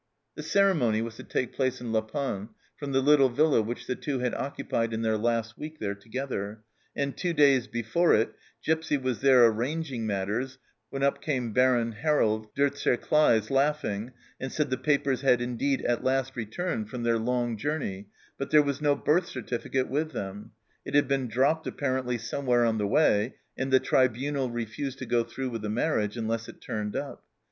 The ceremony was to take place in La Panne from the little villa which the Two had occupied in their last week there together, and two days before it, Gipsy was there arranging matters when up came Baron Harold de T'Serclaes laughing, and said the papers had indeed at last returned from their long journey, but there was no birth certificate with them ; it had been dropped apparently some where on the way, and the Tribunal refused to go through with the marriage unless it turned up